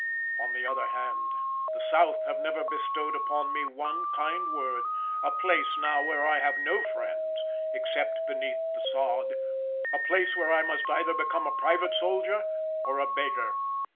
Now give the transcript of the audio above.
On the other hand, the South have never bestowed upon me one kind word; a place now where I have no friends, except beneath the sod; a place where I must either become a private soldier or a beggar.